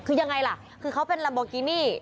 คือยังไงล่ะคือเขาเป็นลัมโบกินี่